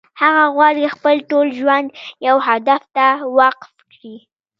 هغه غواړي خپل ټول ژوند يو هدف ته وقف کړي.